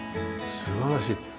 素晴らしい。